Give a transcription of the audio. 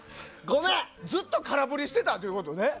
ずっと空振りしてたってことね。